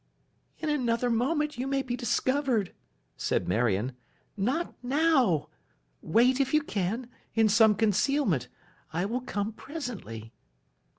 'In another moment you may be discovered,' said Marion. 'Not now! Wait, if you can, in some concealment. I will come presently.